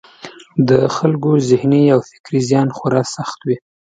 د خلکو ذهني او فکري زیان خورا سخت وي.